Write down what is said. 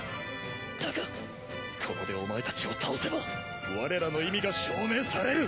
だがここでお前たちを倒せば我らの意味が証明される！